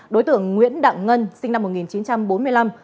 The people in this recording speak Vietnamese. đối tượng nguyễn đặng ngân sinh năm một nghìn chín trăm bốn mươi năm